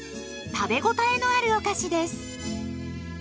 食べ応えのあるお菓子です。